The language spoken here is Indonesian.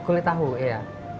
kulit tahu iya